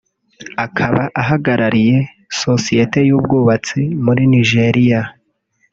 akaba ahagarariye societe y’ubwubatsi muri Nigeria